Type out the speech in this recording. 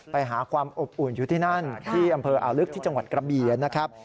ไปหาความอบอุ่นอยู่ที่นั่นที่อำเภออ่าวลึกที่จังหวัดกระบีนะครับ